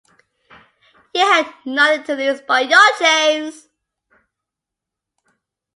You have nothing to lose but your chains!